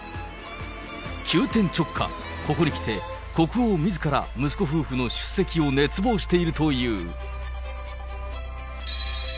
急転直下、ここにきて、国王みずから息子夫婦の出席を熱望しているという。